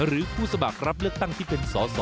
หรือผู้สมัครรับเลือกตั้งที่เป็นสอสอ